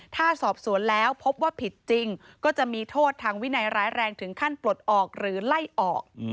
ถ้าสอบสวนแล้วพบว่าผิดจริงก็จะมีโทษทางวินัยร้ายแรงถึงขั้นปลดออกหรือไล่ออก